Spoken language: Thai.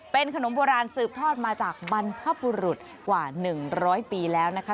เป็นขนมโบราณสืบทอดมาจากบรรพบุรุษกว่า๑๐๐ปีแล้วนะคะ